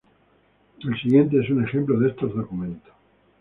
El siguiente es un ejemplo de estos documentos.